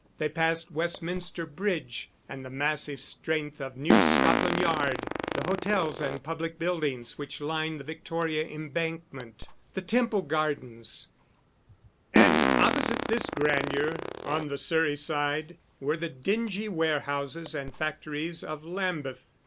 They passed Westminster Bridge, and the massive strength of New Scotland Yard, the hotels and public buildings which line the Victoria Embankment, the Temple Gardens; and opposite this grandeur, on the Surrey side, were the dingy warehouses and factories of Lambeth.